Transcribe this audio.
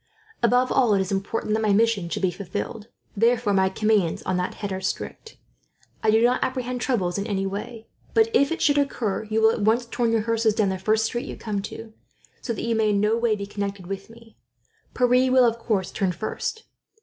Above all it is important that my mission should be fulfilled, therefore my commands on that head are strict. I do not apprehend trouble in any way; but if it should occur, you will at once turn your horses down the first street you come to, so that you may in no way be connected with me. Pierre will, of course, turn first.